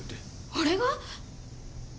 俺が？